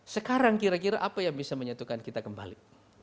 sekarang kira kira apa yang bisa menyatukan kita kembali